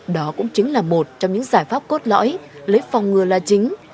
đó cũng chính là một trong những giải pháp cốt lõi lấy phòng ngừa là chính